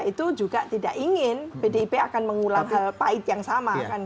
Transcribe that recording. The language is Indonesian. itu juga tidak ingin pdip akan mengulang hal pahit yang sama